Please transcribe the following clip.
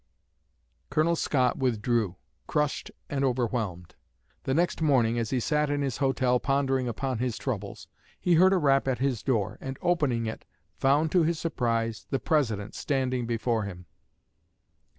Colonel Scott withdrew, crushed and overwhelmed. The next morning, as he sat in his hotel pondering upon his troubles, he heard a rap at his door, and opening it found to his surprise the President standing before him.